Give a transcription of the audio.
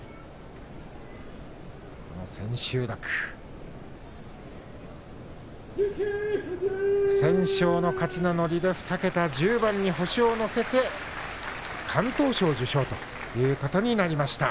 この千秋楽不戦勝の勝ち名乗りで２桁１０番に星を乗せて敢闘賞受賞ということになります。